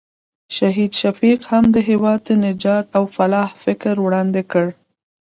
شهید شفیق هم د هېواد د نجات او فلاح فکر وړاندې کړ.